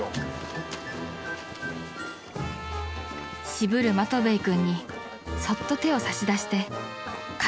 ［渋るマトヴェイ君にそっと手を差し出して和真さん